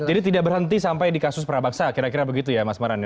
jadi tidak berhenti sampai di kasus prabangsa kira kira begitu ya mas marani